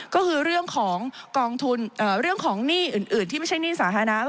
ก็คือเรื่องของกองทุนเรื่องของหนี้อื่นที่ไม่ใช่หนี้สาธารณะ